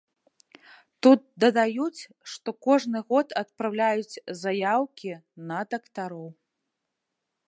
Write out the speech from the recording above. Тут дадаюць, што кожны год апраўляюць заяўкі на дактароў.